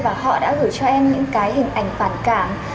và họ đã gửi cho em những cái hình ảnh phản cảm